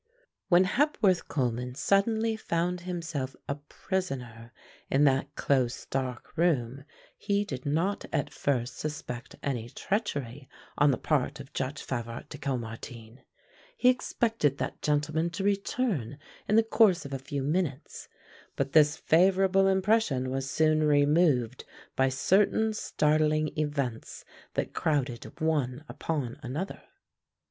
When Hepworth Coleman suddenly found himself a prisoner in that close, dark room, he did not at first suspect any treachery on the part of Judge Favart de Caumartin. He expected that gentleman to return in the course of a few minutes, but this favorable impression was soon removed by certain startling events that crowded one upon another.